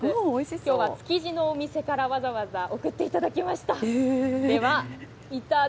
きょうは築地のお店から、わざわざ送っていただきました。